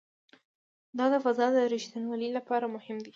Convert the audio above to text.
دا د فضا د ریښتینولي لپاره مهم دی.